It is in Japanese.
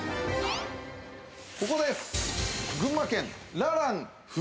ここです。